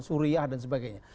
suriah dan sebagainya